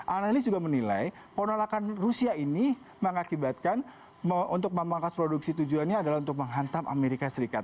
analis juga menilai penolakan rusia ini mengakibatkan untuk memangkas produksi tujuannya adalah untuk menghantam amerika serikat